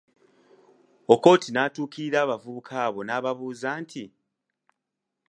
Okot natuukirira abavubuka abo nababuuza nti